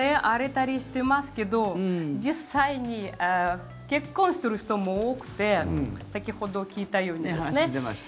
割れたりしてますけど実際に結婚している人も多くて先ほど聞いたように。